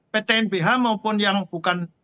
ptnbh maupun yang bukan